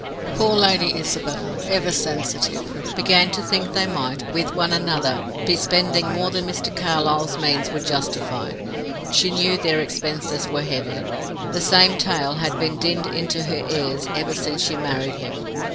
Poor Lady Isabel, ever sensitive, began to think they might, with one another, be spending more than Mr. Carlyle's means would justify; she knew their expenses were heavy. The same tale had been dinned into her ears ever since she married him.